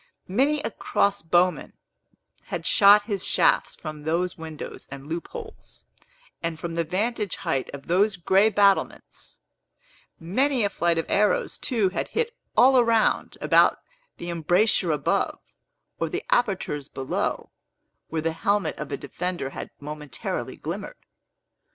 Many a crossbowman had shot his shafts from those windows and loop holes, and from the vantage height of those gray battlements; many a flight of arrows, too, had hit all round about the embrasures above, or the apertures below, where the helmet of a defender had momentarily glimmered.